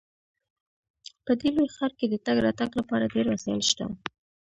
په دې لوی ښار کې د تګ راتګ لپاره ډیر وسایل شته